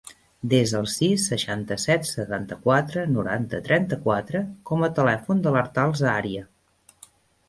Desa el sis, seixanta-set, setanta-quatre, noranta, trenta-quatre com a telèfon de l'Artal Zaharia.